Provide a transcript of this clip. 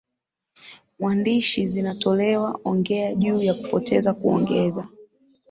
mwandishi zinazotolewa Ongea juu ya Kupoteza Kuongeza